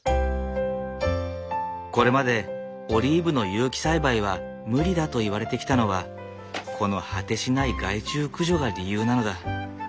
これまでオリーブの有機栽培は無理だといわれてきたのはこの果てしない害虫駆除が理由なのだ。